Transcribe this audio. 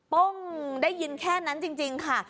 ป้งได้ยินแค่นั้นจริงค่ะ